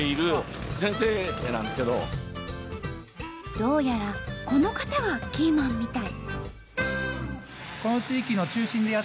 どうやらこの方がキーマンみたい。